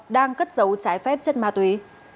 đang cất giấu trái phép chất ma túy